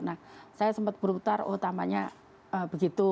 nah saya sempat berputar oh tamanya begitu